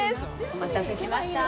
お待たせしました。